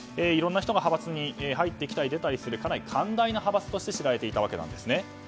いろんな人が派閥に入ってきたり出たりするかなり寛大な派閥として知られていたわけです。